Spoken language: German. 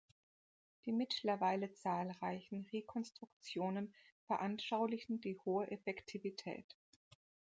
Die mittlerweile zahlreichen Rekonstruktionen veranschaulichen die hohe Effektivität.